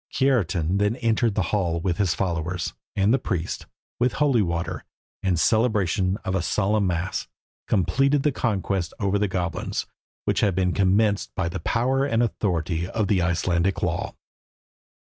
Kiartan then entered the hall with his followers, and the priest, with holy water, and celebration of a solemn mass, completed the conquest over the goblins, which had been commenced by the power and authority of the Icelandic law.